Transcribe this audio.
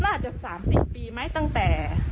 อาจจะ๓๐ปีไหมตั้งแต่